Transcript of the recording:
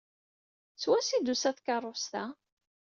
Seg wansi ay d-tusa tkeṛṛust-a?